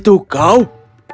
kapan kau kembali